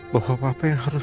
bahwa bapak yang harus